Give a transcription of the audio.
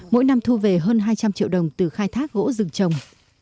mỗi năm thu về hơn hai trăm linh triệu đồng từ khai thác gỗ rừng trồng